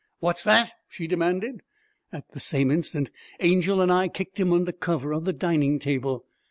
'What's that?' she demanded. At the same instant Angel and I kicked him under cover of the dining table.